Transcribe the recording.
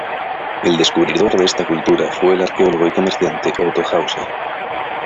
El descubridor de esta cultura fue el arqueólogo y comerciante Otto Hauser.